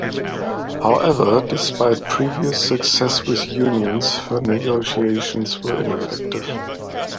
However, despite previous successes with unions, his negotiations were ineffective.